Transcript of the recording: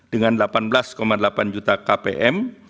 dengan delapan belas delapan juta kpm